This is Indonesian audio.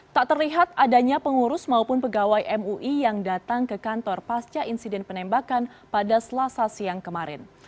tak terlihat adanya pengurus maupun pegawai mui yang datang ke kantor pasca insiden penembakan pada selasa siang kemarin